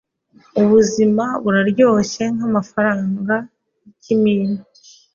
Ubuzima buraryoshye nkamafaranga y’ikimina